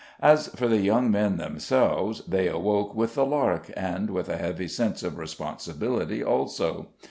As for the young men themselves, they awoke with the lark, and with a heavy sense of responsibility also.